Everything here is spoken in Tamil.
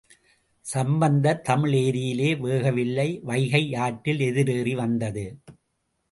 சம்பந்தர் தமிழ், எரியிலே வேக வில்லை வைகை யாற்றில் எதிரேறி வந்தது.